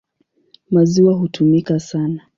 Maziwa hutumika sana.